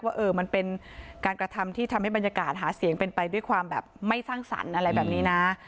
ว่ามันเป็นการกระทำที่ทำให้บรรยากาศหาเสียงเป็นไปด้วยความแบบไม่สร้างสรรค์อะไรแบบนี้นะ